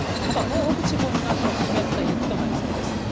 ただ東北地方に関しては湿った雪となりそうです。